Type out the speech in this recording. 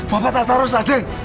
bapak tak taruh saja